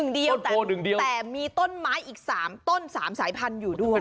๑เดียวแปดมีต้นไม้๓สายพันธุ์อยู่ด้วย